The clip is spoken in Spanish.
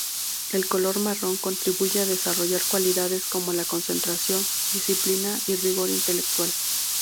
El color marrón contribuye a desarrollar cualidades como la concentración, disciplina y rigor intelectual.